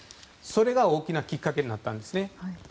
それが大きなきっかけになったんですね。